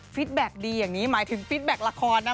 แบ็คดีอย่างนี้หมายถึงฟิตแบ็คละครนะ